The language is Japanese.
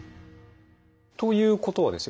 ということはですよ